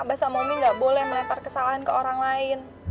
abah sama umi ga boleh melempar kesalahan ke orang lain